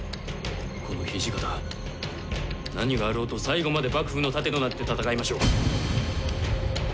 この土方何があろうと最後まで幕府の盾となって戦いましょう。